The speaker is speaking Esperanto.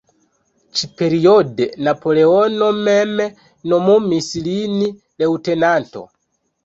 Ĉi-periode Napoleono mem nomumis lin leŭtenanto.